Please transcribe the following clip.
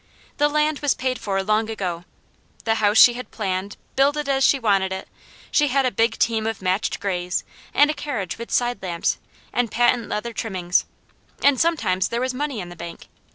The land was paid for long ago; the house she had planned, builded as she wanted it; she had a big team of matched grays and a carriage with side lamps and patent leather trimmings; and sometimes there was money in the bank.